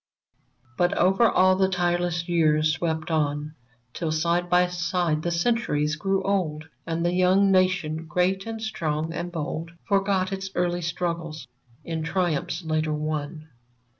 But over all the tireless years swept on. Till side by side the Centuries grew old. And the young Nation, great and strong and bold, Forgot its early struggles, in triumphs later won